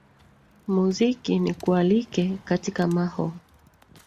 muziki nikualike katika maho